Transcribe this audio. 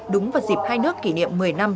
đúng vào dịp hai nước kỷ niệm một mươi năm